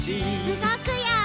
うごくよ！